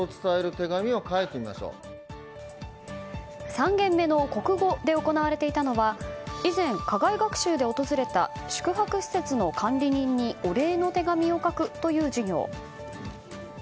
３限目の国語で行われていたのは以前、課外学習で訪れた宿泊施設の管理人にお礼の手紙を書くという授業。